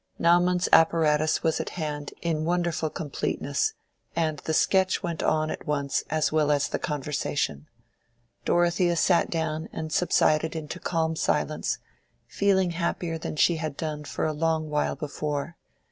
Naumann's apparatus was at hand in wonderful completeness, and the sketch went on at once as well as the conversation. Dorothea sat down and subsided into calm silence, feeling happier than she had done for a long while before.